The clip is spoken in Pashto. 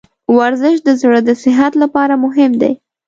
ورزش د زړه د صحت لپاره مهم دی.